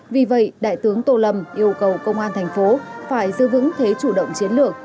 vì vậy đại tướng tô lâm yêu cầu công an thành phố phải giữ vững thế chủ động chiến lược